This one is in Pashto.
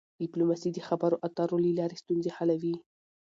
ډيپلوماسي د خبرو اترو له لارې ستونزې حلوي.